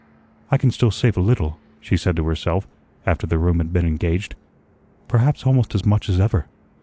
"I can still save a little," she said to herself, after the room had been engaged; "perhaps almost as much as ever.